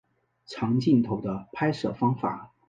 长镜头的拍摄方法。